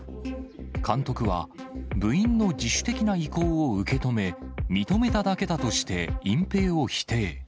監督は、部員の自主的な意向を受け止め、認めただけだとして隠蔽を否定。